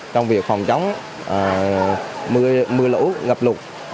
trong việc phòng chống mưa lũ ngập lụt